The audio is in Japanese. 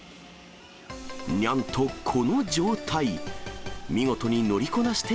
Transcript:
にゃんと、この状態。